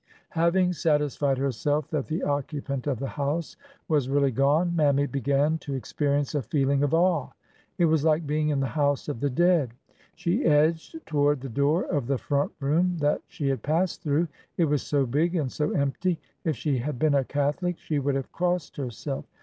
Having satisfied herself that the occupant of the house was really gone. Mammy began to experience a feeling of awe. It was like being in the house of the dead. She 3o8 ORDER NO. 11 edged toward the door of the front room that she had passed through. It was so big and so empty. If she had been a Catholic she would have crossed herself.